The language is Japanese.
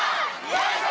よいしょ！